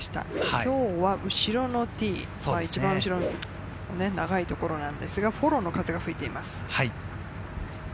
今日は後ろのティー、長いところなんですが、フォローの風が吹いています。